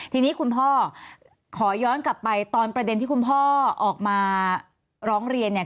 ทีนี้คุณพ่อขอย้อนกลับไปตอนประเด็นที่คุณพ่อออกมาร้องเรียนเนี่ย